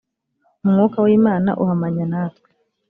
umwuka w imana uhamanya natwe